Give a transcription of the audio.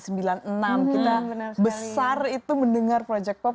kita besar itu mendengar project pop